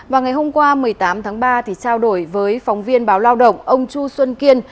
vào ngày hôm qua một mươi tám tháng ba trao đổi với phóng viên báo lao động ông chu xuân kiên